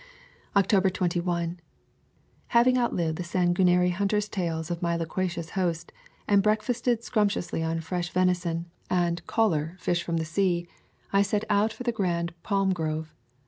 October 21. Having outlived the sangui nary hunters' tales of my loquacious host, and breakfasted sumptuously on fresh venison and [ 113 ] A Thousand Mile Walk "caller" fish from the sea, I set out for the grand palm grove.